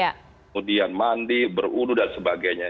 kemudian mandi berudu dan sebagainya